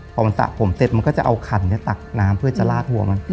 พอมันสระผมเสร็จมันก็จะเอาขันตักน้ำเพื่อจะลากหัวมัน